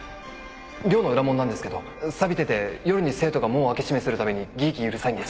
寮の裏門なんですけどさびてて夜に生徒が門を開け閉めするたびにギーギーうるさいんです。